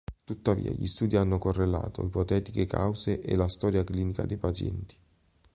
Tuttavia gli studi hanno correlato ipotetiche cause e la storia clinica dei pazienti.